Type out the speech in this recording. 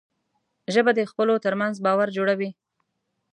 ژبه د خلکو ترمنځ باور جوړوي